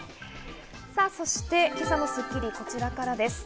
そして今日の『スッキリ』、こちらからです。